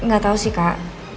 gak tau sih kak